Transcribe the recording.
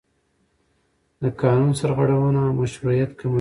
د قانون سرغړونه مشروعیت کموي